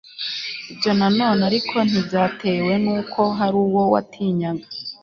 ibyo nanone ariko ntibyatewe n'uko hari uwo watinyaga